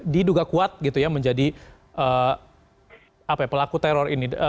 diduga kuat gitu ya menjadi pelaku teror ini